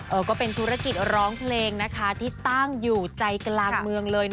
ก็เป็นธุรกิจร้องเพลงนะคะที่ตั้งอยู่ใจกลางเมืองเลย